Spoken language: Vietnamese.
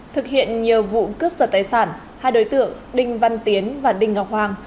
thực hiện nhiều vụ cướp sở tài sản hai đối tượng đinh văn tiến và đinh ngọc hoàng